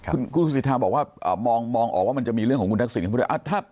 คุณครูศิษฐาบอกว่ามองออกว่ามันจะมีเรื่องของคุณนักศิลป์